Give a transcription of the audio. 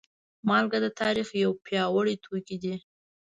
مالګه د تاریخ یو پیاوړی توکی دی.